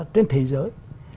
trên thế giới